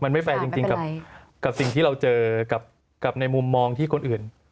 มันไม่แฟร์จริงกับสิ่งที่เราเจอกับในมุมมองที่คนอื่น